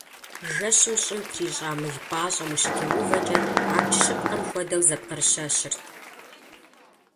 Жэщым щӏым трищӏа мыл пӏащӏэм ущытеувэкӏэ абдж щыпкъэм хуэдэу зэпкъырыщэщырт.